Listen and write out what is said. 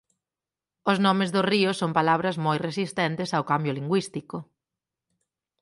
Os nomes dos ríos son palabras moi resistentes ao cambio lingüístico.